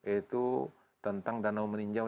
itu tentang danau meninggau